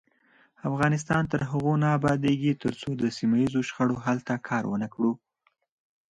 افغانستان تر هغو نه ابادیږي، ترڅو د سیمه ییزو شخړو حل ته کار ونکړو.